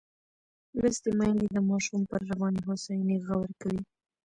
لوستې میندې د ماشوم پر رواني هوساینې غور کوي.